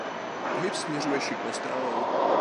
Pohyb směřuje šikmo stranou.